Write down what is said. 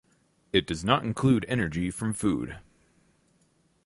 It does not include energy from food.